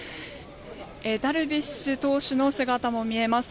ダルビッシュ投手の姿も見えます。